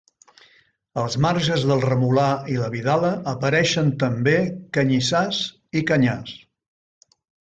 Als marges del Remolar i la Vidala apareixen també canyissars i canyars.